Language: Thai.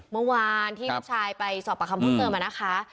เมื่อวานที่ชายไปสอบประคำพูดเติมนะคะ